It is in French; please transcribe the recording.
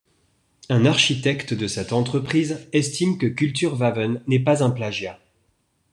Un architecte de cette entreprise estime que Kulturväven n’est pas un plagiat.